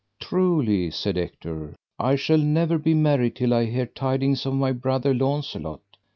Truly, said Ector, I shall never be merry till I hear tidings of my brother Launcelot.